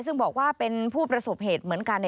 ซึ่งบอกว่าเป็นผู้ประสบเหตุเหมือนกัน